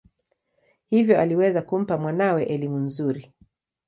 Hivyo aliweza kumpa mwanawe elimu nzuri.